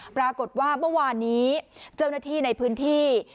ปรากฏว่าเมื่อวานนี้เจ้าหน้าที่ในพื้นที่